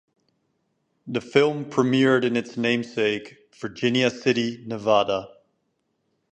The film premiered in its namesake, Virginia City, Nevada.